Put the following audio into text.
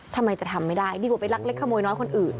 ทำไมจะทำไม่ได้ดีกว่าไปลักเล็กขโมยน้อยคนอื่น